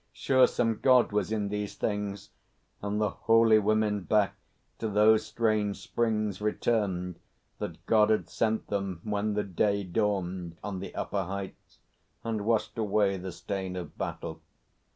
Sure some God was in these things! And the holy women back to those strange springs Returned, that God had sent them when the day Dawned, on the upper heights; and washed away The stain of battle.